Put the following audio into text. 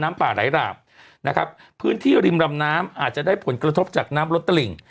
ป่าไหลหลากนะครับพื้นที่ริมรำน้ำอาจจะได้ผลกระทบจากน้ำล้นตลิ่ง